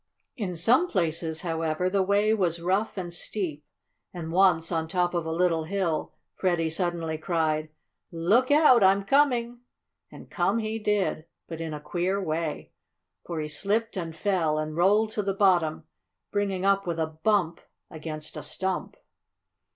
In some places, however, the way was rough and steep, and once on top of a little hill, Freddie suddenly cried: "Look out! I'm coming!" And come he did, but in a queer way. For he slipped and fell, and rolled to the bottom, bringing up with a bump against a stump.